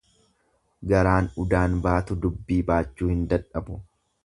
Garaan udaan baatu dubbii baachuu hin dadhabu.